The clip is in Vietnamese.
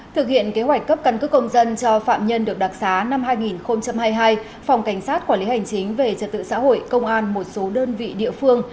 thực hiện kế hoạch cấp căn cứ công dân cho phạm nhân được đặc xá năm hai nghìn hai mươi hai phòng cảnh sát quản lý hành chính về trật tự xã hội công an một số đơn vị địa phương